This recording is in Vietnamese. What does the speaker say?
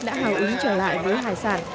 đã hào ứng trở lại với hải sản